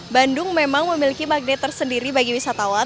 bandung memang memiliki magnet tersendiri bagi wisatawan